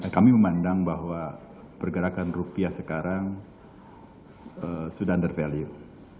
kami memandang bahwa pergerakan rupiah sekarang sudah under value